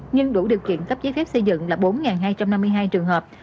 nhưng đủ điều kiện cấp giấy phép xây dựng là bốn hai trăm năm mươi hai trường hợp